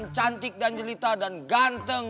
cantik dan jerita dan ganteng